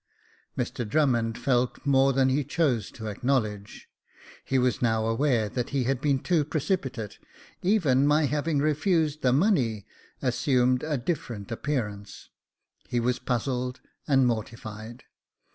Mr Drummond felt more than he chose to acknowledge ; he was now aware that he had been too precipitate ; even my having refused the money assumed a different appear ance ; he was puzzled and mortified.